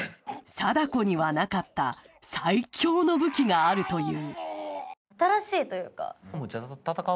貞子にはなかった、最凶の武器があるという。